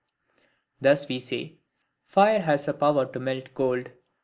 Thus we say, Fire has a power to melt gold, i.